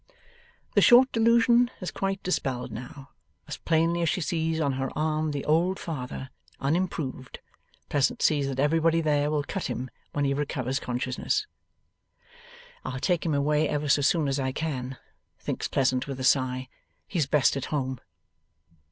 The short delusion is quite dispelled now. As plainly as she sees on her arm the old father, unimproved, Pleasant sees that everybody there will cut him when he recovers consciousness. 'I'll take him away ever so soon as I can,' thinks Pleasant with a sigh; 'he's best at home.